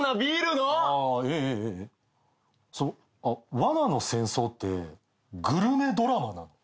『罠の戦争』ってグルメドラマなの？